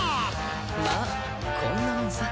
まあこんなもんさ。